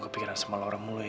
aku kepikiran sama laura mulu ya